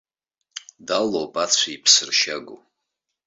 Далоуп ацәа иԥсыршьагоу.